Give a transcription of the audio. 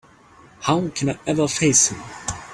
How can I ever face him?